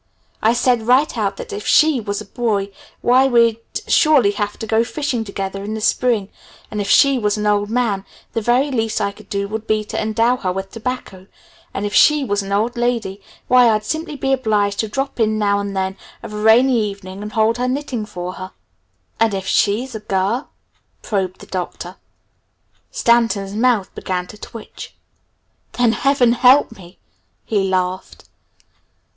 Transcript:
I said right out that if 'she' was a boy, why we'd surely have to go fishing together in the spring, and if 'she' was an old man, the very least I could do would be to endow her with tobacco, and if 'she' was an old lady, why I'd simply be obliged to drop in now and then of a rainy evening and hold her knitting for her." "And if 'she' were a girl?" probed the Doctor. Stanton's mouth began to twitch. "Then Heaven help me!" he laughed.